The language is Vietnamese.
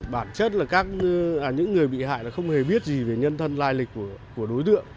bản chất là những người bị hại không hề biết gì về nhân thân lai lịch của đối tượng